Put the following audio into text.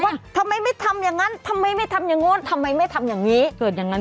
บอกว่าทำไมไม่ทำอย่างนั้นทำไมไม่ทำอย่างโน้นทำไมไม่ทำอย่างนี้